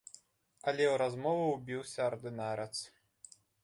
Але ў размову ўбіўся ардынарац.